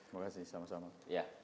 terima kasih sama sama